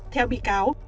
theo bị cáo